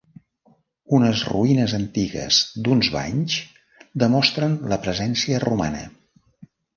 Unes ruïnes antigues d'uns banys, demostren la presència romana.